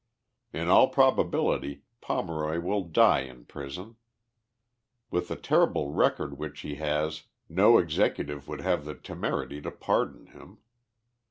In all probability Pomeroy will die in prison. With the terrible record which he has no exective would have the temerity to pardon him.